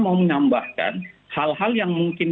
mau menambahkan hal hal yang mungkin